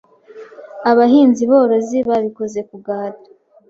abahinzi-borozi babikoze ku gahato